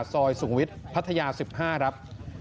ซอยสูงวิทย์พัทยา๑๕ครับ